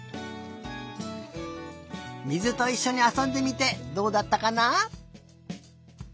水といっしょにあそんでみてどうだったかな？